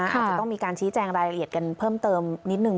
อาจจะต้องมีการชี้แจงรายละเอียดกันเพิ่มเติมนิดนึง